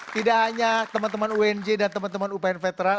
tidak hanya teman teman unj dan teman teman upn veteran